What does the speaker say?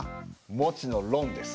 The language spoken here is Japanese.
もちのろんです。